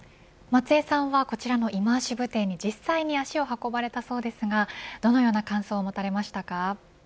松江さんはこちらのイマーシブ展に実際に足を運ばれたそうですがどのような感想を持たれましたか。